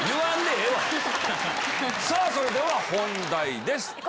それでは本題です。